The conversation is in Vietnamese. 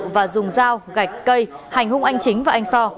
và dùng dao gạch cây hành hung anh chính và anh so